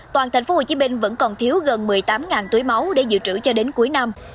toàn tp hcm vẫn còn thiếu gần một mươi tám túi máu để dự trữ cho đến cuối năm